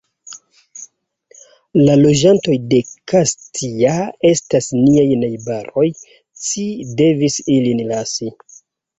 La loĝantoj de Kastia estas niaj najbaroj, ci devis ilin lasi.